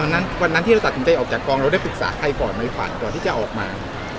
วันนั้นวันนั้นที่เราตัดสินใจออกจากกองเราได้ปรึกษาใครก่อนไหมฝันก่อนที่จะออกมา